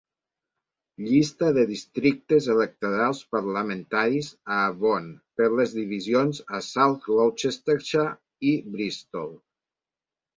Llista de districtes electorals parlamentaris a Avon per les divisions a South Gloucestershire i Bristol.